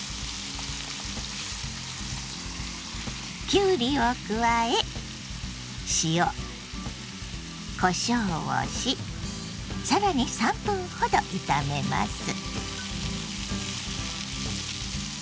きゅうりを加え塩こしょうをし更に３分ほど炒めます。